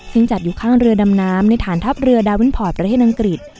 ซึ่งจัดอยู่ข้างเรือดำน้ำในฐานทัพเรือดาวินพอร์ตประเทศอังกฤษ